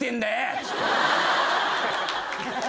っつって。